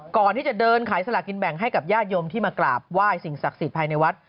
ก่อนที่จะเดินขายสลากินแบ่งให้กับญาติโยมที่มากราบไหว้สิ่งศักดิ์สิทธิภายในวัด